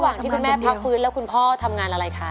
ที่คุณแม่พักฟื้นแล้วคุณพ่อทำงานอะไรคะ